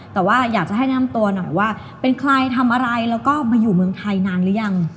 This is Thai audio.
แต่ว่าอยากจะให้แนะนำตัวหน่อยว่าเป็นใครทำอะไรแล้วก็มาอยู่เมืองไทยนานหรือยัง